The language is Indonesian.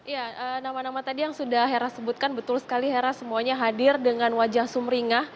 ya nama nama tadi yang sudah hera sebutkan betul sekali hera semuanya hadir dengan wajah sumringah